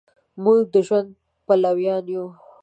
مونږ د ژوند پلویان یو